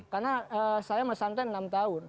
karena saya mesantren enam tahun